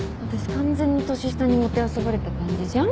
完全に年下にもてあそばれた感じじゃん。